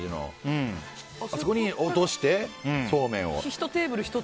そこに落として、そうめんを。